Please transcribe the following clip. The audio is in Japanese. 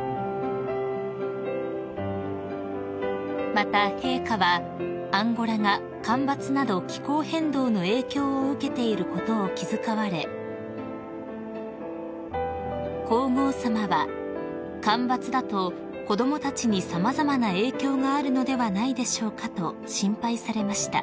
［また陛下はアンゴラが干ばつなど気候変動の影響を受けていることを気遣われ皇后さまは「干ばつだと子供たちに様々な影響があるのではないでしょうか」と心配されました］